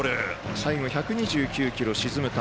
最後、１２９キロ、沈む球。